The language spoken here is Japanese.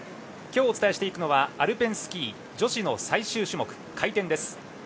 今日お伝えしていくのはアルペンスキー女子の最終種目回転です。